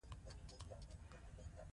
آیا تاسو خپله پانګه اچونه څارئ.